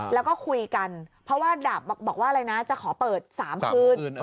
แล้วก็คุยกันเพราะว่าดาบบอกว่าอะไรนะจะขอเปิด๓คืน